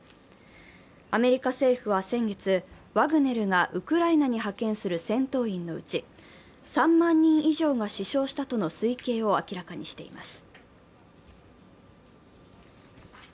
アメリカ政府は先月、ワグネルがウクライナに派遣する戦闘員のうち、３万人以上が死傷したとの推計を明らかにしています。